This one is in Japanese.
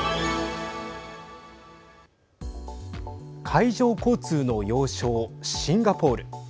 海上交通の要衝シンガポール。